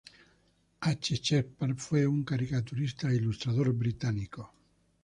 H. Shepard, fue un caricaturista e ilustrador británico.